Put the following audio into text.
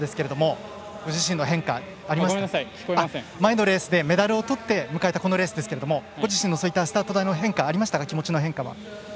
前のレースでメダルをとって迎えたこのレースですがご自身のスタート台の変化はありましたか。